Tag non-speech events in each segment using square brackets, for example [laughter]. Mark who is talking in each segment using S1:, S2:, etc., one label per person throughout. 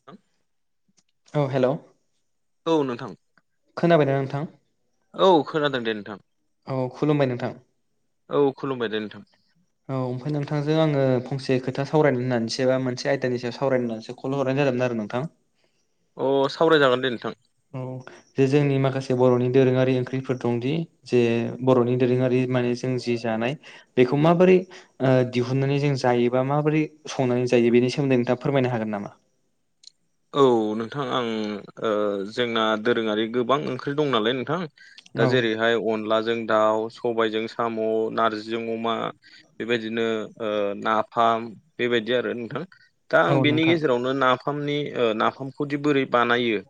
S1: [unintelligible]
S2: ओ हेलौ
S1: औ नोंथां
S2: खोनाबाय ना नोंथां
S1: औ खोनादों दे नोंथां
S2: औ खुलुमबाय नोंथां
S1: औ खुलुमबाय दे नोंथां
S2: औ ओमफ्राय नोंथांजों आङो फंसे खोथा सावरायनो होननानैसो बा मोनसे आयदानि सायाव सावरायनो होननानैसो कल हरनाय जादोंमोन आरो नोंथां
S1: अ सावरायजागोन दे नोंथां
S2: औ जे जोंनि माखासे बर'नि दोरोङारि ओंख्रिफोर दंदि जे बर'नि दोरोङारि माने जों जि जानाय बेखौ माबोरै दिहुननानै जों जायोबा माबोरै संनानै जायो बेनि सोमोन्दै नोंथां फोरमायनो हागोन नामा?
S1: औ नोंथां आं जोंना दोरोङारि गोबां ओंख्रि दं नालाय नोंथां
S2: औ
S1: दा जेरैहाय अनलाजों दाउ सबायजों साम' नारजिजों अमा बेबायदिनो नाफाम बेबायदि आरो नोंथां दा
S2: औ
S1: आं बेनि
S2: नोंथां
S1: गेजेरावनो नाफामनि नाफामखौदि बोरै बानायो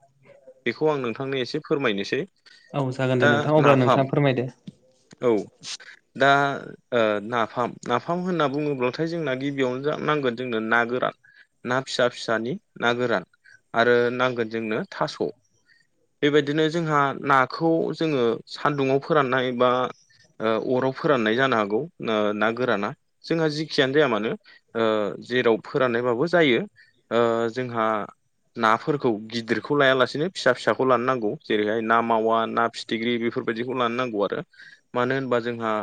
S1: बेखौ आं नोंथांनो एसे फोरमायनोसै
S2: औ जागोन दे
S1: दा
S2: नोंथां अब्ला
S1: नाफाम
S2: नोंथाङा फोरमायदो
S1: औ दा नाफाम नाफाम होनना बुङोब्लाथाय जोंना गिबियावनो ज नांगोन जोंनो ना गोरान ना फिसा फिसानि ना गोरान आरो नांगोन जोंनो थास' बेबायदिनो जोंहा नाखौ जोङो सानदुङाव फोराननाय बा अराव फोराननाय जानो हागौ ना गोराना जोंहा जेखियानो जाया मानो जेराव फोराननायबाबो जायो जोंहा नाफोरखौ गिदिरखौ लाया लासेनो फिसा फिसाखौ लानो नांगौ जेरैहाय ना मावा ना फि [unintelligible] बेफोरबायदिखौ लानो नांगौ आरो मानो होनबा जोंहा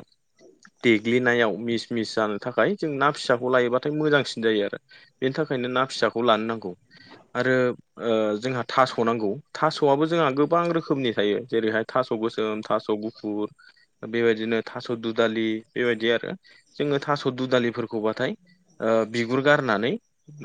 S1: देग्लिनायाव मिस मिस जानो थाखाय जों ना फिसाखौ लायोबाथाय मोजांसिन जायो आरो। बेनि थाखायनो ना फिसाखौ लानो नांगौ आरो ओ जोंहा थास' नांगौ थास'आबो जोंहा गोबां रोखोमनि थायो जेरैहाय थास' गोसोम थास' [unintelligible] बेबायदिनो थास' दुदालि बेबायदि आरो जोङो थास' दुदालिफोरखौबाथाय ओ बिगुर गारनानै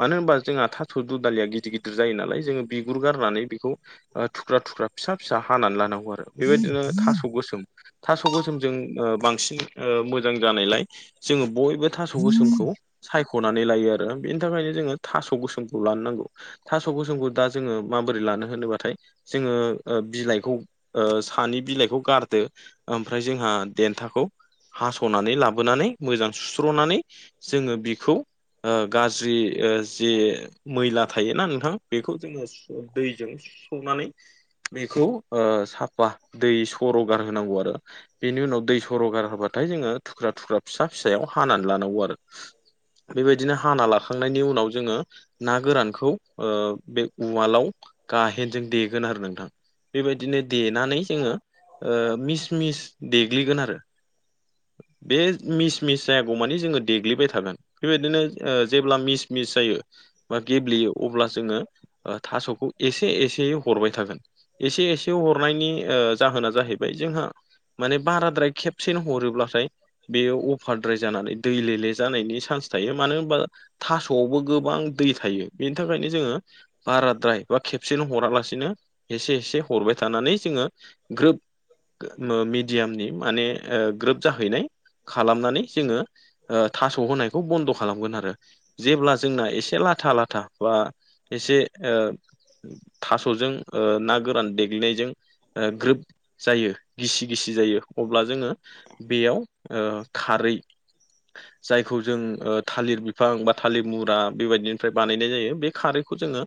S1: मानो होनबा जोंहा सु दुदालिया गिदिर गिदिर जायो नालाय जोङो बिगुर गारनानै बेखौ ओ थुख्रा थुख्रा फिसा फिसा हानानै लानांगौ आरो बेबायदिनो थास' गोसोम थास' गोसोमजों ओ बांसिन ओ मोजां जानायलाय जोङो बयबो थास' गोसोमखौ सायख'नानै लायो आरो बेनि थाखायनो जोङो थास' गोसोमखौ लानो नांगौ थास' गोसोमखौ दा जोङो माबोरै लानो होनोबाथाय जोङो ओ बिलाइखौ ओ सानि बिलाइखौ गारदो। ओमफ्राय जोंहा देन्थाखौ हास'नानै लाबोनानै मोजां सुस्र'नानै जोङो बिखौ ओ गाज्रि ओ जे मैला थायोना नोंथां बेखौ जोङो दैजों सुस्रनानै बेखौ ओ साफा दै सर'गार होनांगौ आरो। बेनि उनाव दै सरगार होबाथाय जोङो थुख्रा थुख्रा फिसा फिसायाव हानानै लानांगौ आरो। बेबायदिनो हाना लाखांनायनि उनाव जोङो ना गोरानखौ ओ बे उवालाव गाहेनजों देगोन आरो नोंथां। बेबायदिनो देनानै जोङो ओ मिस मिस देग्लिगोन आरो। बे मिस मिस जायागौ मानि जोङो देग्लिबाय थागोन। बेबायदिनो ओ जेब्ला मिस मिस जायो। बा गेब्लेयो अब्ला जोङो ओ थास'खौ एसे एसे हरबाय थागोन। एसे एसे हरनायनि ओ जाहोना जाहैबाय जोंहा माने बाराद्राय खेब खेबसेनो हरोब्लाथाय बेयो अभारद्राइ जानानै दै लेले जानायनि सान्स थायो मानो होनबा थासआवबो गोबां दै थायो बेनि थाखायनो जोङो बाराद्राय बा खेबसेनो हरालासिनो एसे एसे हरबाय थानानै जोङो ग्रोब मिडियामनि माने ओ ग्रोब जाहैनाय। खालामनानै जोङो ओ थास' होनायखौ बन्द' खालामगोन आरो। जेब्ला जोंना एसे लाथा लाथा बा एसे ओ थास'जों ओ ना गोरान देग्लिनायजों ओ ग्रोब जायो गिसि गिसि जायो अब्ला जोङो बेयाव ओ खारै जायखौ जों ओ थालिर बिफां बा थालिर मुरा बेबायदि फ्राय बानायनाय जायो बे खारैखौ जोङो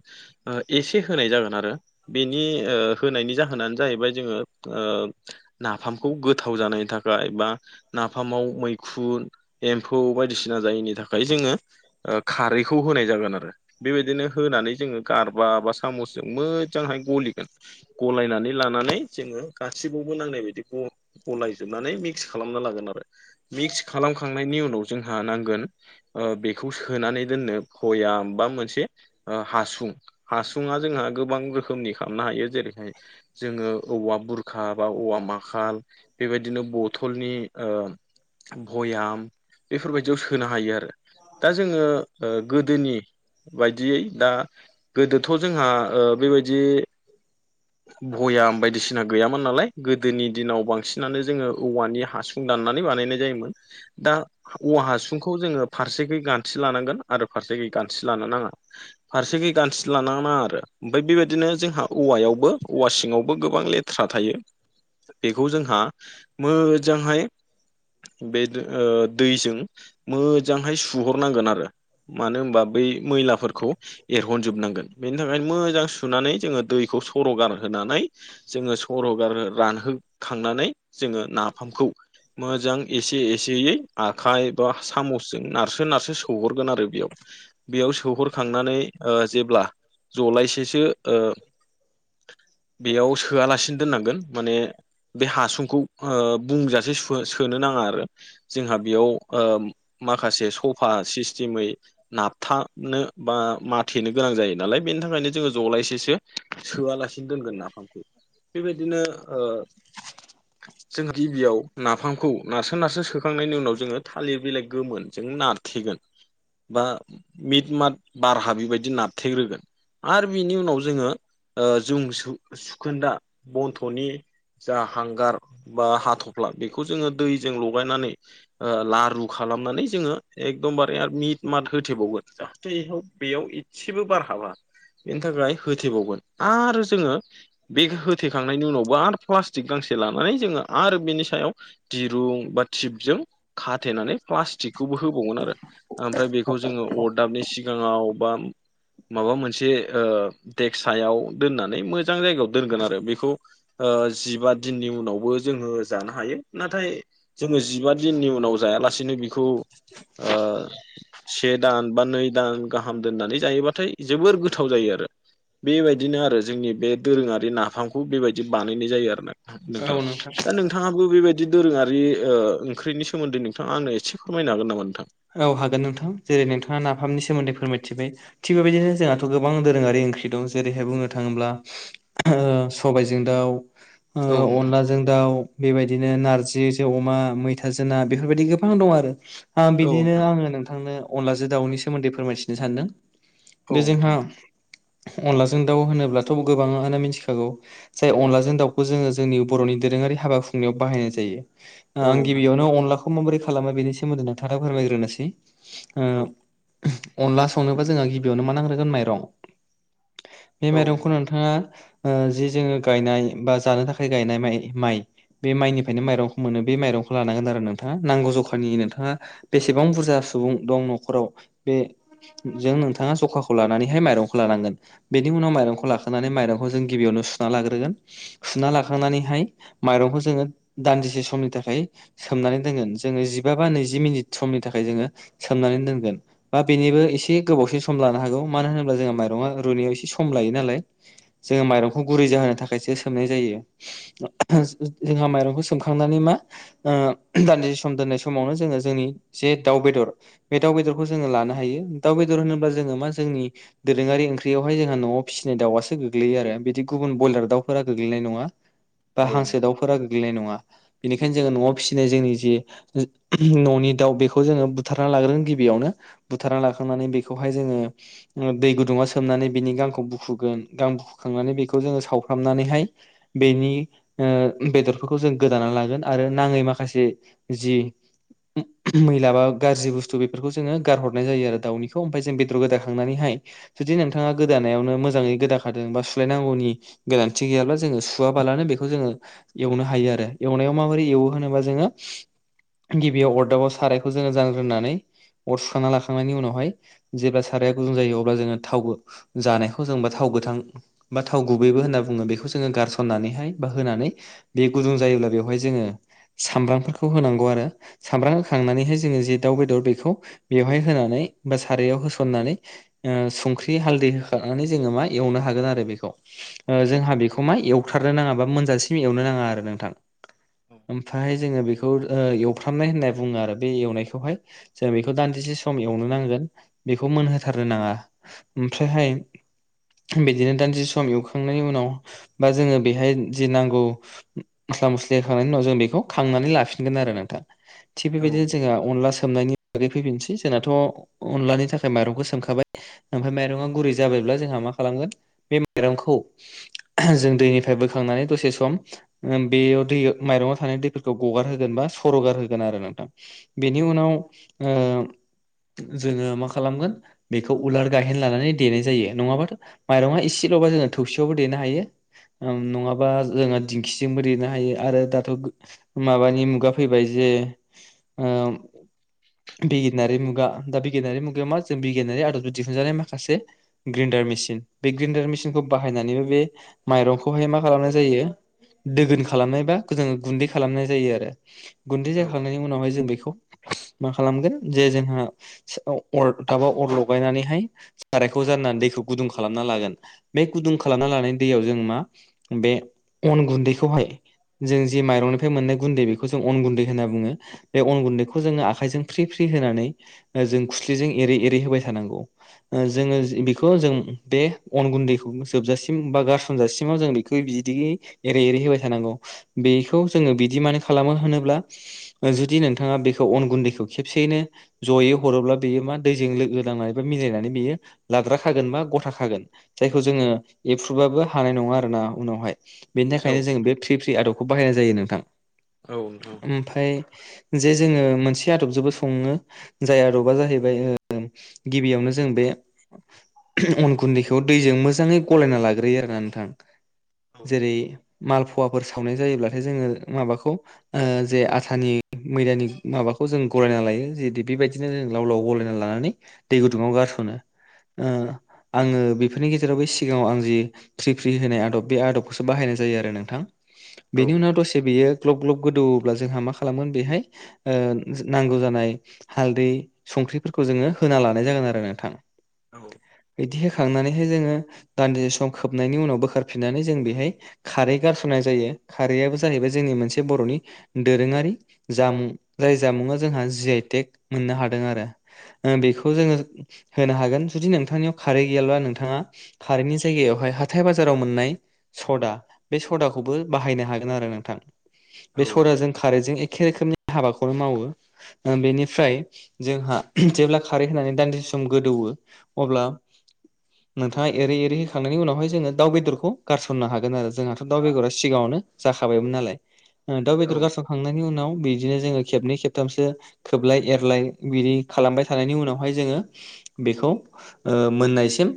S1: ओ एसे होनाय जागोन आरो बेनि ओ होनायनि जाहोनानो जाहैबाय जोङो ओ नाफामखौ गोथाव जानायनि थाखाय बा नाफामाव मैखुन एम्फौ बायदिसिना जायैनि थाखाय जोङो ओ खारैखौ होनाय जागोन आरो बेबायदिनो होनानै जोङो गारबा बा सामसजों मोजांहाय गलिगोन गलायनानै लानानै जोङो गासिबावबो नांनाय बादिखौ गलायजोबनानै मिक्स खालामना लागोन आरो मिक्स खालामखांनायनि उनाव जोंहा नांगोन ओ बेखौ सोनानै दोननो भयाम बा मोनसे ओ हासुं हासुुंआ जोंहा गोबां रोखोमनि खालामनो हायो जेरैहाय जोङो औवा बुरखा बा औवा माखाल बेबायदिनो बथलनि ओ भयाम बेफोरबायदियाव सोनो हायो आरो दा जोङो गोदोनि बायदियै दा गोदोथ' जोंहा ओ बेबायदि भयाम बायदिसिना गैयामोन नालाय गोदोनि दिनाव बांसिनानो जोङो औवानि हासुं दाननानै बानायनाय जायोमोन दा औवा हासुंखौ जोङो फारसेखै गानस्रि लानांगोन आरो फारसेखै गानस्रि लानो नाङा फारसेखै गानस्रि लानाङा आरो ओमफ्राय बेबायदिनो जोंहा औवायाव बो औवासिङावबो गोबां लेथ्रा थायो बेखौ जोंहा मोजांहाय बे ओ दैजों मोजांहाय सुहरनांगोन आरो मानो होनबा बै मैलाफोरखौ एरहनजोबनांगोन बेनि थाखायनो मोजां सुनानै जोङो दैखौ सर'गारहोनानै जोङो सरहगार रानहोखांनानै जोङो नाफामखौ मोजां एसे एसेयै आखाइ बा सामसजों नारसो नारसो सौहरगोन आरो बेयाव बेयाव सोहरखांनानै औ जेब्ला जलायसेसो ओ बेयाव सोआलासिनो दोननांगोन माने बे हासुंखौ ओ बुंजासे सोनो नाङा आरो जोंहा बेयाव ओ माखासे सफा सिस्टेमै नाबथाबनो बा माथेनो गोनां जायो नालाय बेनि थाखायनो जोङो जलायसेसो सोआलासिनो दोनगोन नाफामखौ बेबायदिनो ओ
S2: [inaudible]
S1: जों गिबियाव नाफामखौ नारसो नारसो सोखांनायनि उनाव जोङो थालिर बिलाइ गोमोन जों नारथेगोन बा मिट मात बारहा बेबायदि नारथेग्रोगोन आरो बिनि उनाव जोङो ओ जों सुखोन्दा बन्थ'नि जा हांगार बा हाथ'फ्ला बेखौ जोङो दैजों लगायनानै ओ लारु खालामनानै जोङो एकदमबारे आरो मिट मत होथेबावगोन जाहाथे बेयाव एसेबो बारहाबा बेनि थाखाय होथेबावगोन आरो जोङो बे होथेखांनायनि उनावबो आरो प्लास्टिक गांसे लानानै जोङो आरो बेनि सायाव दिरुं बा थिबजों खाथेनानै प्लास्टिकखौबो होबावगोन आरो ओमफ्राय बेखौ जोङो अरदाबनि सिगां सिगाङाव बा माबा मोनसे ओ देख सायाव दोननानै मोजां जायगायाव दोनगोन आरो बेखौ ओ जिबा दिननि उनावबो जोङो जानो हायो नाथाय जोङो जिबा दिननि उनाव जायालासिनो बिखौ ओ से दान बा नै दान गाहाम दोननानै जायोबाथाय जोबोर गोथाव जायो आरो बेबाय दिनो आरो जोंनि बे दोरोङारि नाफामखौ बेबायदि बानायनाय जायो आरो नोंथां नोंथां दा नोंथां नोंथाङाबो बेबायदि दोरोङारि ओ ओंख्रिनि सोमोन्दै नोंथाङा आंनो एसे फोरमायनो हागोन नामा नोंथां
S2: औ हागोन नोंथां जेरै नोंथाङा नाफामनि सोमोन्दै फोरमायथिबाय थिग बेबायदिनो जोंहाथ' गोबां दोरोङारि ओंख्रि दं जेरैहाय बुंनो थाङोब्ला ओ सबायजों दाउ
S1: औ
S2: ओ
S1: नोंथां
S2: अनलाजों जों दाउ बेबायदिनो नारजि जों अमा मैथाजो ना बेफोरबायदि गोबां दं आरो।
S1: औ
S2: बिदिनो
S1: नोंथां
S2: आङो नोंथांनो अनलाजों दाउनि सोमोन्दै फोरमायथिनो सानदों।
S1: औ
S2: बे
S1: नोंथां
S2: जोंहा अनलाजों दाउ होनोब्लाथ' गोबाङानो मिथिखागौ जे अनलाजों दाउखौ जोङो जोंनि बर'नि दोरोङारि हाबा खुंनायाव बाहायनाय जायो।
S1: औ
S2: आं
S1: नोंथां
S2: गिबियावनो अनलाखौ माबोरै खालामो बेनि सोमोन्दै नोंथांनो फोरमायग्रोनोसै
S1: औ
S2: ओ- अनला संनोबा जोंहा गिबियावनो मा नांग्रोगोन माइरं बे
S1: औ
S2: माइरंखौनो नोंथाङा ओ जि जोङो गायनाय बा जानो थाखाय गायनाइ माइ माइ बे माइनिफ्रायनो माइरंखौ मोनो बे माइरंखौ लानांगोन आरो नोंथाङा नांगौ जखानि नोंथाङा बेसेबां बुरजा सुबुं दं न'खराव बे जे नोंथाङा ज'खाखौ लानानैहाय माइरंखौ लानांगोन। बेनि उनाव माइरंखौ लाखंनानै माइरंखौ जों गिबियावनो सुना लाग्रोगोन सुना लाखांनानैहाय माइरंखौ जोङो दान्दिसे समनि थाखाय सोमनानै दोनगोन जोङो जिबा बा नैजि मिनिट समनि थाखाय जोङो सोमनानै दोनगोन। बा बेनिबो एसे गोबावसै सम लानो हागौ मानो होनोब्ला जोंहा माइरङा रुइनायाव एसे सम लायो नालाय। जोङो माइरंखौ गुरै जाहोनो थाखायसो सोमनाय जायो। जोंहा माइरंखौ सोमखांनानै मा ओ दान्दिसे सम दोननाय समावनो जोङो जोंनि जे दाउ बेदर बे दाउ बेदरखौ जोङो लानो हायो दाउ बेदर होनोब्ला जोङो मा जोंनि दोरोङारि ओंख्रियावहाय जोंहा न'आव फिसिनाय दावआसो गोग्लैयो आरो बिदि गुबुन ब्रयलार दाउफोरा गोग्लैनाय नङा। बा
S1: औ
S2: हांसो दाउफोरा गोग्लैनाय नङा। बेनिखायनो जोङो न'आव फिसिनाय जोंनि जि न'नि दाउ बेखौ जोङो बुथारना लाग्रोगोन गिबियावनो बुथारना लाखांनानै बेखौहाय जोङो दै गुदुङाव सोमनानै बिनि गांखौ बुखुगोन गां बुखुखांनानै बेखौ जोङो सावफ्रामनानैहाय बेनि ओ बेदरफोरखौ जों गोदाना लागोन आरो नाङै माखासे जि मैला बा गाज्रि बुस्थु बेफोरखौ जोङो गारहरनाय जायो आरो दाउनिखौ ओमफाय जों बेदर गोदाखांनानैहाय जुदि नोंथाङा गोदानायावनो मोजाङै गोदाखादों बा सुलायनांगौनि गोनांथि गैयाब्ला जोङो सुवाबालानो बेखौ जोङो एवनो हायो आरो एवनायाव माबोरै एवो होनोबा जोङो गिबियाव अर अरदाबाव सारायखौ जोङो जानग्रोनानै अर सुखांना लाखांनायनि उनावहाय जेब्ला साराया गुदुं जायो अब्ला जोङो थाव जानायखौ जोंबा थाव गोथां। बा थाव गुबैबो होनना बुङो बेखौ जोङो गारसननानैहाय बा होनानै बे गुदुं जायोब्ला बेवहाय जोङो सामब्रामफोरखौ होनांगौ आरो सामब्राम होखांनानैहाय जोङो जे दाउ बेदर बेखौ बेवहाय होनानै बा सारयाव होसननानै ओ सुंख्रि हालदै होखारनानै जोङो मा एवनो हागोन आरो बेखौ। ओ जोंहा बेखौ मा एवथारनो नाङा बा मोनजासिम एवनो नाङा आरो नोंथां। ओमफाय जोङो बेखौ ओ एवफ्रामनाय होननाय बुङो आरो बे एवनायखौहाय। जों बेखौ दान्दिसे सम एवनो नांगोन बेखौ मोनहोथारनो नाङा। ओमफ्रायहाय बिदिनो दान्दिसे सम एवखांनायनि उनाव बा जोङो बेहाय जि नांगौ मस्ला मस्लि होखांनायनि उनाव जों बेखौ खांनानै लाफिनगोन आरो नोंथां। थिग बेबायदिनो जोंहा अनला सोमनायनि बागै फैफिनसै जोंनाथ' अनलानि थाखाय माइरंखौ सोमखाबाय। ओमफ्राय माइरङा गुरै जाबायब्ला जोंहा मा खालामगोन बे माइरंखौ जों दैनिफ्राय बोखांनानै दसे सम बेयाव दै माइरंआव थानाय दैफोरखौ गगार होगोन बा सर'गार होगो गोन आरो नोंथां बेनि उनाव ओ जोङो मा खालामगोन बेखौ उलार गाहेन लानानै देनाय जायो नङाबाथ' माइरङा इसेल'बा जोङो थौसियावबो देनो हायो। ओम नङाबा जोंहा दिंखिजोंबो देनो हायो आरो दाथ गो माबानि मुगा फैबाय जे ओम बिगियानारि मुगा दा बिगियानारि मुगायाव मा जों बिगियानारि आदबखौ दिहुनजानाय माखासे ग्रेन्डार मेसिन बे ग्रेन्डार मेसिनखौ बाहायनानैबो बे माइरंखौहाय मा खालामनाय जायो दोगोन खालामनायबा इखो जोङो गुन्दै खालामनाय जायो आरो गुन्दै
S1: औ
S2: जाख खांनायनि उनावहाय जों बेखौ मा खालामगोन जे जोंहा अरदाबाव अर लगायनानैहाय सारायखौ जाननानै दैखौ गुदुं खालामना लागोन बे गुदुं खालामना लानाय दैयाव जों मा बे अन गुन्दैखौहाय जों जि माइरंनिफ्राय मोननाय गुन्दै बेखौ जों अन गुन्दै होनना बुङो बे अन गुन्दैखौ जोङो आखाइजों फ्रि फ्रि होनानै जों खुस्लिजों एरै एरै होबाय थानांगौ। ओ जोङो जि बेखौ जों बे अन गुन्दैखौ जोबजासिम बा गारसनजासिमाव जों बेख मैं बिदियै एरै एरै होबाय थानांगौ बेखौ जोङो बिदि मानो खालामो होनोब्ला ओ जुदि नोंथाङा बेखौ अन गुन्दैखौ खेबसेयैनो जयै हरोब्ला बेयो मा दैजों लोगो लांनानै बा मिलायनानै बेयो लाद्रा खागोन बा गथाखागोन। जायखौ जोङो एपफ्रुबाबो हानाय नङा आरो ना उनावहाय। बेनि
S1: औ औ
S2: थाखायनो जोंङो बे फ्रि फ्रि आदबखौ बाहायनाय जायो नोंथां
S1: औ नोंथां
S2: ओमफ्राय जे जोङो मोनसे आदबजोंबो सङो जाय आदबा जाहैबाय ओ गिबियावनो जों बे अन गुन्दैखौ दैजों मोजाङै गलायना लाग्रोयो आरोना नोंथां
S1: औ
S2: जेरै मालफुवाफोर सावनाय जायोब्लाथाय जोङो माबाखौ ओ जे आथानि मैदानि माबाखौ जों गलायना लायो जेदि बेबायदिनो जों लाव लाव गलायना लानानै दै गुदुङाव गारसनो ओ आङो बेफोरनि गेजेरावबो सिगाङाव आं जि फ्रि फ्रि होनाय आदब बे आदबखौसो बाहायनाय जायो आरो नोंथां बेनि उनाव दसे बेयो ग्लब ग्लब गोदौओब्ला जोंहा मा खालामोन बेहाय ओ नांगौ जानाय हालदै संख्रिफोरखौ जोङो होना लानाय जागोन आरो नोंथां
S1: औ
S2: बिदि होखांनानैहाय जोङो दान्दिसे सम खोबनायनि उनाव बोखारफिननानै जों बेहाय खारै गारसनाय जायो खारैआबो जाहैबाय जोंनि मोनसे बरनि दोरोङारि जामुं जाय जामुआ जोंहा जि आइटेक मोननो हादों आरो ओ बेखौ जोङो होनो हागोन जुदि नोंथांनियाव खारै गैयाब्ला नोंथाङा खारैनि जायगायावहाय हाथाय बाजाराव मोननाय सदा बे सदाखौबो बाहायनो हागोन आरो नोंथां बे सदाजों खारैजों एखे रोखोमनि हाबाखौनो मावो ओ बेनिफ्राय जोंहा जेब्ला खारै होनानै दान्दिसे सम गोदौवो अब्ला नोंथाङा एरै एरै होखांनायनि उनावहाय जोङो दाउ बेदरखौ गारसननो हागोन आरो जोंहाथ दाउ बेदरा सिगाङावनो जाखाबायमोन नालाय ओ दाउ
S1: औ
S2: बेदर गारसनखांनायनि उनाव बिदिनो जोङो खेबनै खेबथामसो खोबलाय एरलाय बिदि खालामबाय थानायनि उनावहाय जोङो बेखौ ओ मोननायसिम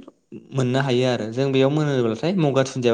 S2: मोननो हायो आरो जों बेयाव मोनोब्लाथाय गंगार दुनदिया